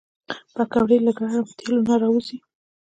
پکورې له ګرم تیلو نه راوځي